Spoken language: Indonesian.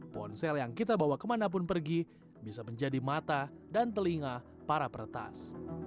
ponsel yang kita bawa kemanapun pergi bisa menjadi mata dan telinga para peretas